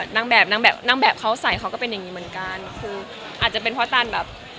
ได้ซื้อถึง